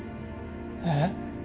えっ？